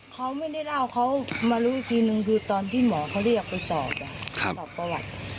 เขาไม่ได้เล่าเขามารู้อีกทีนึงคือตอนที่หมอเขาเรียกไปสอบสอบประวัติ